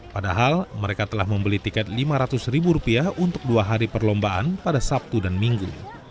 padahal mereka telah membeli tiket lima ratus ribu rupiah untuk dua hari perlombaan pada sabtu dan minggu